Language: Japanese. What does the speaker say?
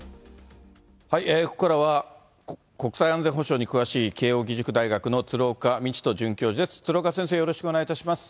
ここからは、国際安全保障に詳しい慶應義塾大学の鶴岡路人准教授です。